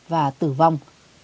và tử vong